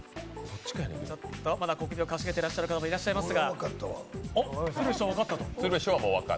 まだ小首をかしげてらっしゃる方もいらっしゃいますが。